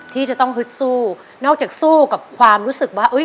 ที่จะต้องฮึดสู้นอกจากสู้กับความรู้สึกว่า